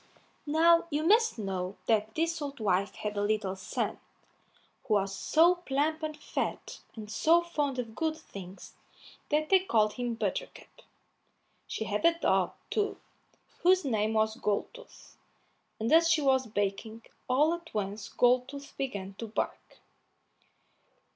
Now you must know that this old wife had a little son, who was so plump and fat, and so fond of good things, that they called him Buttercup; she had a dog, too, whose name was Goldtooth, and as she was baking, all at once Goldtooth began to bark.